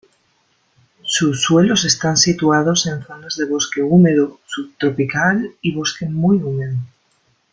Sus suelos están situados en zonas de bosque húmedo subtropical y bosque muy húmedo.